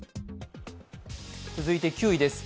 続いて９位です。